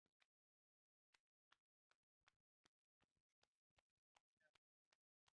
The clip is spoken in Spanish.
Algunos han querido ver una deformación de la palabra "goitia", que significa 'de arriba'.